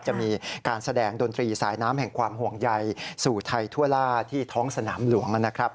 จะมีการแสดงดนตรีสายน้ำแห่งความห่วงใยสู่ไทยทั่วล่าที่ท้องสนามหลวงนะครับ